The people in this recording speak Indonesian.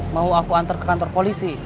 mau aku antar ke kantor polisi